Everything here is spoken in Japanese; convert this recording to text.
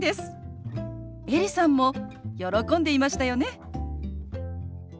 エリさんも喜んでいましたよね。